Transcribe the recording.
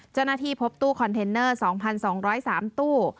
เจ้าหน้าที่พบตู้คอนเทนเนอร์๒๒๐๓ตู้